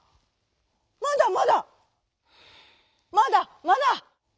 「まだまだ。まだまだ」。